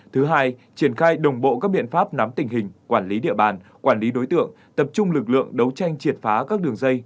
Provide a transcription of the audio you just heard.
thứ hai triển khai đồng bộ các biện pháp nắm tình hình quản lý địa bàn quản lý đối tượng tập trung lực lượng đấu tranh triệt phá các đường dây